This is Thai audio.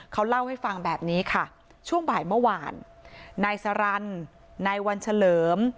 เขาเล่าให้ฟังแบบนี้ค่ะช่วงบ่ายเมื่อวานนายสรรนายวันเฉลิม